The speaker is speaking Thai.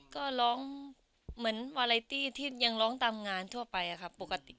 ครึ่งมีวัลไลท์ติ้ทที่ยังร้องตามงานทั่วไปค่ะปกติ